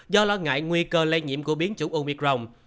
do lo ngại nguy cơ lây nhiễm của biến chủng omicron